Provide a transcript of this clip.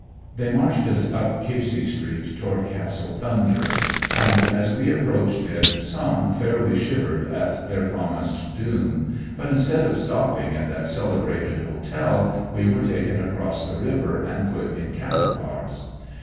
They marched us up Casey street toward Castle Thunder, and as we approached it some fairly shivered at their prom ised doom; but instead of stopping at that celebrated hotel, we were taken across the river and put in cattle cars.